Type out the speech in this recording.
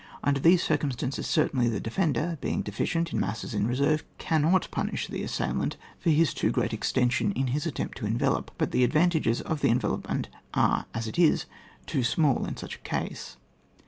Under these circumstances cer tainly the defender, being deficient in masses in reserve, cannot punish the as sailant for his too great extension in his attempt to envelop, but the advantages of the envelopment are as it is too small in such a case.